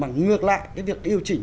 mà ngược lại cái việc điều chỉnh